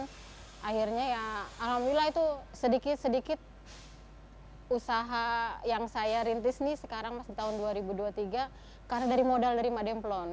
dan akhirnya ya alhamdulillah itu sedikit sedikit usaha yang saya rintis nih sekarang masih tahun dua ribu dua puluh tiga karena dari modal dari mak demplon